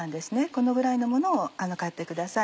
このぐらいのものを買ってください。